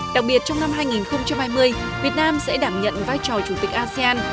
đặc biệt trong năm hai nghìn hai mươi việt nam sẽ đảm nhận vai trò chủ tịch asean